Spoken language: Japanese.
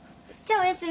お休み。